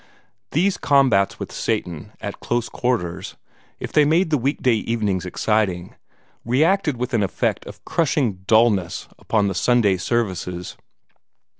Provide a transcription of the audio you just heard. These combats with Satan at close quarters, if they made the week day evenings exciting, reacted with an effect of crushing dulness upon the Sunday services.